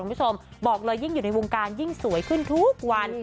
คุณผู้ชมบอกเลยยิ่งอยู่ในวงการยิ่งสวยขึ้นทุกวัน